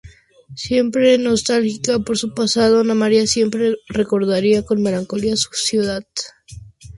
Siempre, nostálgica por su pasado Ana María siempre recordaría con melancolía su ciudad.